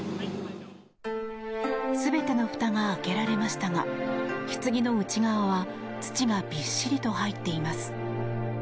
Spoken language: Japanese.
全てのふたが開けられましたがひつぎのうち側は土がびっしりと入っています。